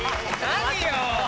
何よ！